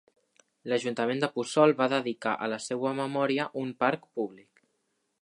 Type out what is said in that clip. L'Ajuntament de Puçol va dedicar a la seua memòria un parc públic.